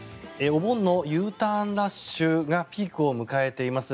お盆のＵターンラッシュがピークを迎えています。